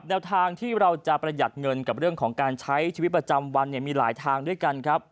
แนวทางที่เราจะประหยัดเงินกับเรื่องของการใช้ชีวิตประจำวันมีหลายทางด้วยกันครับ